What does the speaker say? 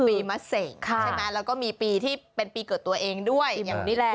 มะเสงใช่ไหมแล้วก็มีปีที่เป็นปีเกิดตัวเองด้วยอย่างนี้แหละ